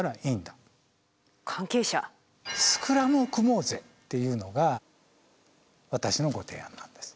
「スクラムを組もうぜ！」っていうのが私のご提案なんです。